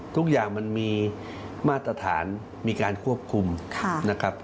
ทุกอย่างมันมีมาตรฐานมีการควบคุมนะครับ